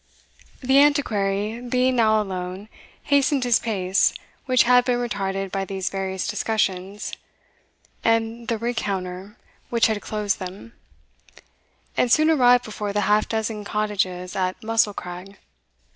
The Antiquary, being now alone, hastened his pace, which had been retarded by these various discussions, and the rencontre which had closed them, and soon arrived before the half dozen cottages at Mussel crag.